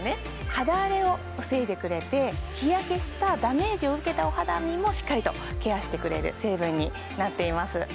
肌荒れを防いでくれて日焼けしたダメージを受けたお肌にもしっかりとケアしてくれる成分になっています